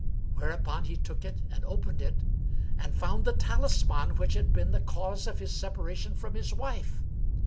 Whereupon he took it and opened it and found the talisman which had been the cause of his separation from his wife.